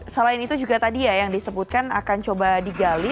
selain itu juga tadi ya yang disebutkan akan coba digali